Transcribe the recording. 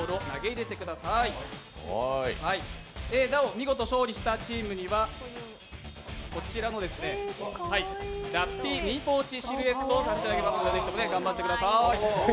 見事勝利したチームにはラッピーミニポーチシルエットを差し上げますので、ぜひとも頑張ってください。